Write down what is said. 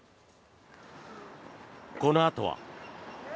このあとは。